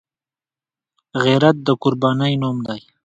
غیرت د قربانۍ نوم دی